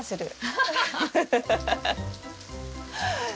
ハハハハッ！